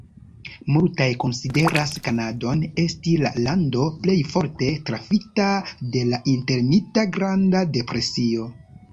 Multaj konsideras Kanadon esti la lando plej forte trafita de la intermilita Granda depresio.